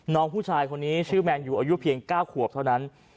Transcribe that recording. น้องผู้ชายคนนี้ชื่อแมนยูอายุเพียง๙ขวบเท่านั้น